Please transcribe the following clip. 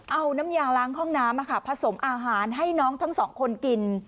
เอาน้ำยางล้างห้องน้ำผสมอาหารให้น้องทั้งสองคนกิน